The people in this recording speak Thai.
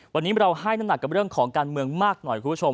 วันนี้เราให้น้ำหนักกับเรื่องของการเมืองมากหน่อยคุณผู้ชม